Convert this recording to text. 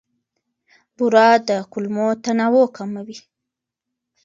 بوره د کولمو تنوع کموي.